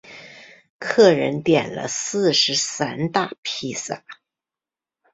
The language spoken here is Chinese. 客人点了四十三大披萨